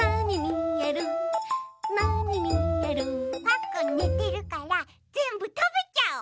パックンねてるからぜんぶたべちゃおう！